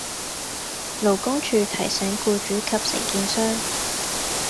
勞工處提醒僱主及承建商